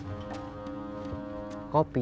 baru enggak punya film